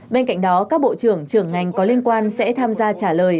bên cạnh đó các bộ trưởng trưởng ngành có liên quan sẽ tham gia trả lời